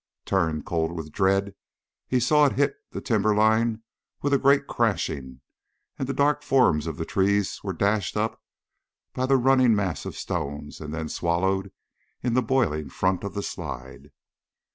Turned cold with dread, he saw it hit the timberline with a great crashing, and the dark forms of the trees were dashed up by the running mass of stones and then swallowed in the boiling front of the slide.